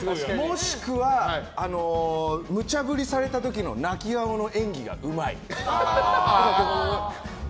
もしくはむちゃ振りされた時の泣き顔の演技がうまい。